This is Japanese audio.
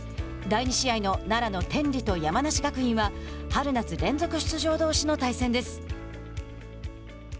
第２試合の奈良の天理と山梨学院は、春夏連続出場どうしの対戦です。